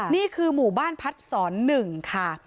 นี่คือหมู่บ้านพัดศร๑ค่ะ